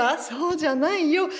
「そうじゃないよ。